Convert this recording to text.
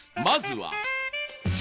まずは。